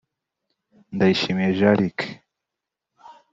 Ndayishimiye Jean Luc